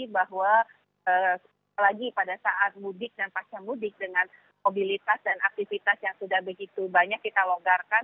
bahwa apalagi pada saat mudik dan pasca mudik dengan mobilitas dan aktivitas yang sudah begitu banyak kita longgarkan